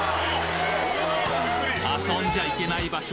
遊んじゃいけない場所